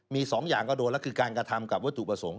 มีสองอย่างก็โดนแล้วคือการกระทำกับวัตถุประสงค์